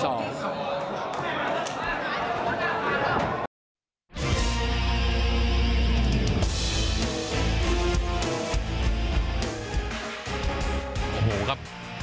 โอ้โหครับ